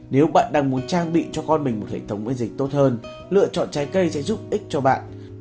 nếu bạn đang muốn trang bị cho con mình một hệ thống với dịch tốt hơn lựa chọn trái cây sẽ giúp ích cho bạn